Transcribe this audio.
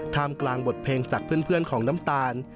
กลางบทเพลงจากเพื่อนของน้ำตาล